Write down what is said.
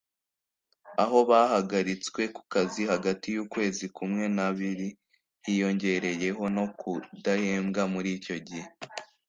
aho bahagaritswe ku kazi hagati y’ukwezi kumwe n’abiri hiyongereyeho no kudahembwa muri icyo gihe